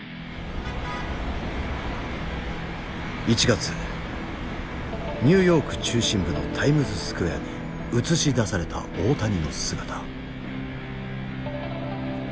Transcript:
１月ニューヨーク中心部のタイムズスクエアに映し出された大谷の姿。